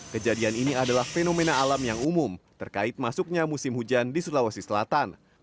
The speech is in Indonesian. kejadian ini adalah fenomena alam yang umum terkait masuknya musim hujan di sulawesi selatan